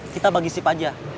kita bagi sip aja